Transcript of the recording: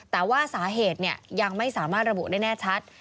แต่ว่าสาเหตุยังไม่สามารถระบุได้แน่ชัด